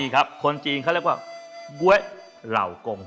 ครับคนจีนเขาเรียกว่าบ๊วยเหล่ากง